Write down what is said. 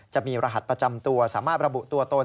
จะมีรหัสประจำตัวสามารถระบุตัวตน